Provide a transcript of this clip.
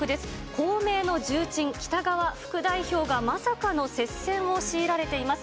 公明の重鎮、北側副代表がまさかの接戦を強いられています。